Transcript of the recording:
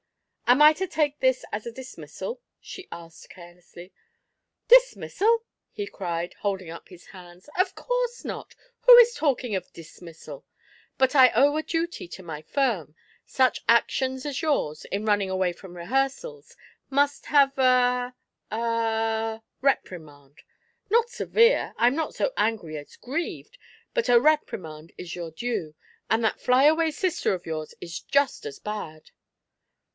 "Am I to take this as a dismissal?" she asked carelessly. "Dismissal!" he cried, holding up his hands. "Of course not. Who is talking of dismissal? But I owe a duty to my firm. Such actions as yours, in running away from rehearsals, must have a a reprimand. Not severe; I am not so angry as grieved; but a reprimand is your due and that fly away sister of yours is just as bad."